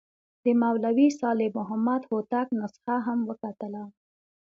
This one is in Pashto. د مولوي صالح محمد هوتک نسخه هم وکتله.